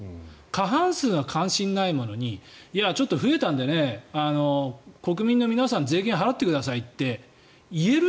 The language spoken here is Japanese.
過半数が関心ないものにいや、ちょっと増えたんでね国民の皆さん税金払ってくださいって言える？